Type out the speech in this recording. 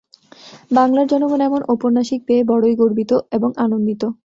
বাংলার জনগণ এমন ঔপন্যাসিক পেয়ে বড়ই গর্বিত এবং আনন্দিত।